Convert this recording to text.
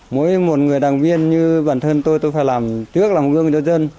mỗi một người đảng viên như bản thân tôi tôi phải làm trước làm gương cho dân